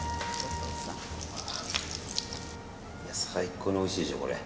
最高においしいでしょ、これ。